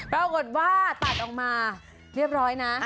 ปรากฏว่าตัดออกมาเรียบร้อยนะ